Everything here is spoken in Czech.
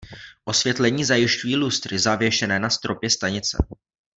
Osvětlení zajišťují lustry zavěšené na stropě stanice.